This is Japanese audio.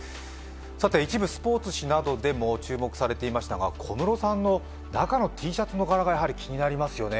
一部、スポーツ紙などでも注目されていましたが小室さんの中のＴシャツの柄が気になりますよね。